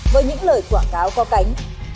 với những lời quảng cáo có cánh